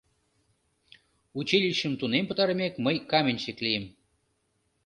Училищым тунем пытарымек, мый каменщик лийым.